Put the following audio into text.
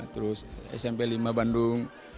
terus smp lima bandung